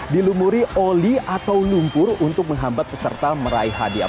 dilumuri oli atau lumpur untuk menghambat peserta meraih hadiah